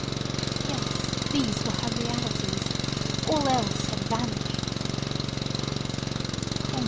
Yes these were her realities—all else had vanished! III.